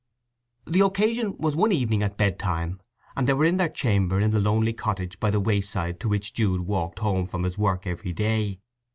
The occasion was one evening at bedtime, and they were in their chamber in the lonely cottage by the wayside to which Jude walked home from his work every day.